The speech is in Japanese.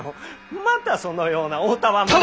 またそのようなお戯れを。